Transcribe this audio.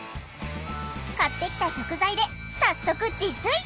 買ってきた食材で早速自炊。